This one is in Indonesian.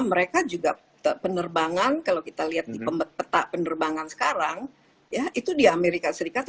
mereka juga penerbangan kalau kita lihat di peta penerbangan sekarang ya itu di amerika serikat